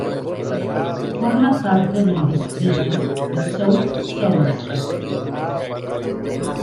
Forma parte del distrito de South Somerset.